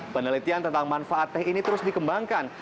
penelitian tentang manfaat teh ini terus dikembangkan